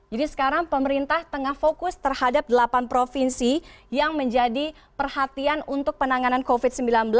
jadi sekarang pemerintah tengah fokus terhadap delapan provinsi yang menjadi perhatian untuk penanganan covid sembilan belas